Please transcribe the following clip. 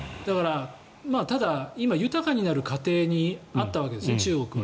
ただ、今、豊かになる過程にあったわけです、中国は。